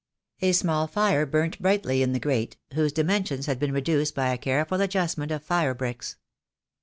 A small fire burned brightly in the grate, whose dimen sions had been reduced by a careful adjustment of fire bricks.